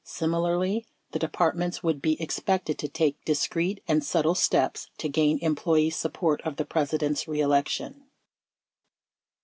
Similarly, the Depart ments would be expected to take discreet and subtle steps to gain employee support of the President's reelection.